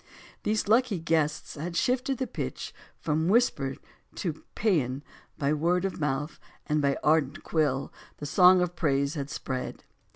These lucky guests had shifted the pitch from whisper to paean. By word of mouth and by ardent quill the song of praise had spread.